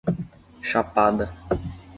Chapada